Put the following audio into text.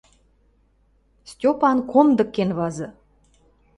Стьопан комдык кенвазы.